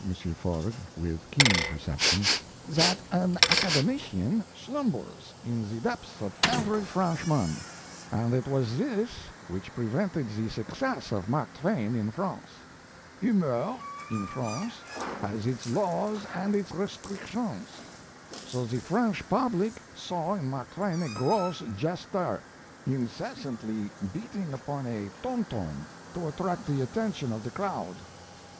Forgues, with keen perception, "that an academician slumbers in the depths of every Frenchman; and it was this which prevented the success of Mark Twain in France. Humour, in France, has its laws and its restrictions. So the French public saw in Mark Twain a gross jester, incessantly beating upon a tom tom to attract the attention of the crowd.